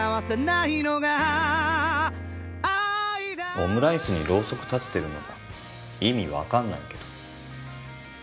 オムライスにろうそく立ててるのが意味わかんないけど。